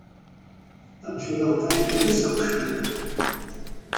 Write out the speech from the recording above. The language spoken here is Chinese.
但是要待一个小时